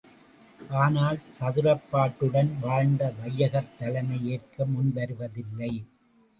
ஆனால் சதுரப்பாட்டுடன் வாழ்ந்து வையகத் தலைமை ஏற்க முன் வருவதில்லை.